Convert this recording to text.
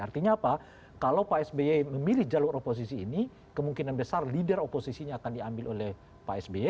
artinya apa kalau pak sby memilih jalur oposisi ini kemungkinan besar leader oposisinya akan diambil oleh pak sby